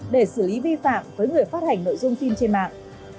để xử lý vi phạm với người phát hành nội dung phim trên mạng